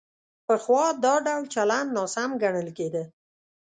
پخوا دا ډول چلند ناسم ګڼل کېده.